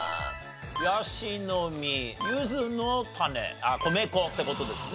やしの実ゆずの種あっ米粉って事ですね。